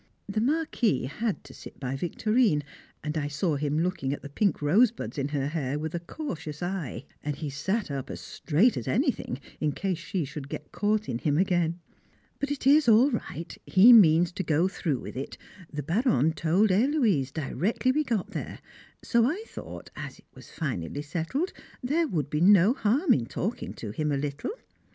The Marquis had to sit by Victorine, and I saw him looking at the pink rosebuds in her hair with a cautious eye; and he sat up as straight as anything in case she should get caught in him again. But it is all right, he means to go through with it the Baronne told Héloise directly we got there. So I thought, as it was finally settled, there would be no harm in talking to him a little.